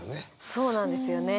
そうなんですよね。